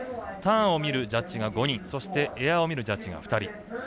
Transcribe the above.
ターンを見るジャッジが５人エアを見るジャッジが５人。